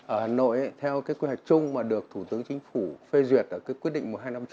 ở hà nội theo cái quy hoạch chung mà được thủ tướng chính phủ phê duyệt ở cái quyết định một nghìn hai trăm năm mươi chín